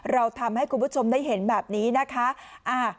เราทำให้คุณผู้ชมได้เห็นแบบนี้นะคะ